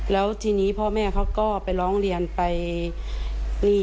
แล้วทีนี้พ่อแม่เขาก็ไปร้องเรียนไปนี่